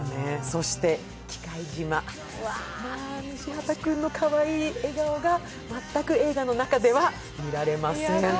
そして「忌怪島」、西畑くんのかわいい笑顔が全く映画の中では見られません。